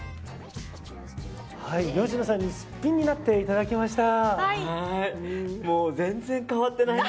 芳野さんにすっぴんになっていただきました。